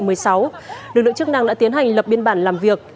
lực lượng chức năng đã tiến hành lập biên bản làm việc